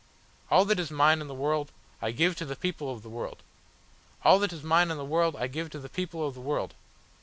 All that is mine in the world I give to the people of the world. All that is mine in the world I give to the people of the world.